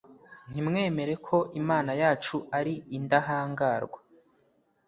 nimwemere ko imana yacu ari indahangarwa.